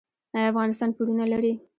آیا افغانستان پورونه لري؟